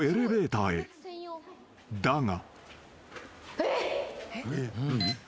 ［だが］